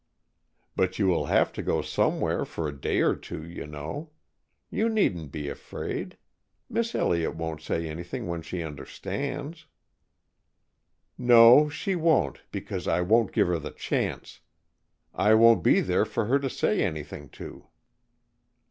"But you will have to go somewhere for a day or two, you know. You needn't be afraid. Miss Elliott won't say anything when she understands, " "No, she won't, because I won't give her the chance. I won't be there for her to say anything to."